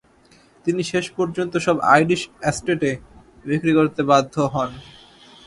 তিনি শেষ পর্যন্ত সব আইরিশ এস্টেটে বিক্রি করতে বাধ্য হন।